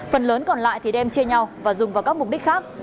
phần lớn còn lại thì đem chia nhau và dùng vào các mục đích khác